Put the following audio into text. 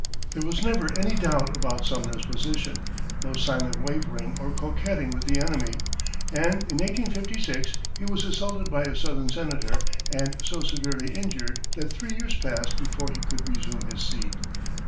There was never any doubt about Sumner's position, no sign of wavering or coquetting with the enemy, and in 1856, he was assaulted by a southern senator and so severely injured that three years passed before he could resume his seat.